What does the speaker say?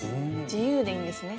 自由でいいんですね。